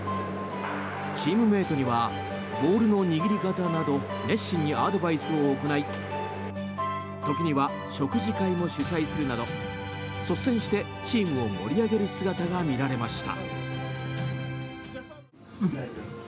チームメートにはボールの握り方など熱心にアドバイスを行い時には食事会も主催するなど率先してチームを盛り上げる姿が見られました。